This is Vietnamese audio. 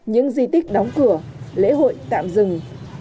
những di tích đóng cửa lễ hội tạm dừng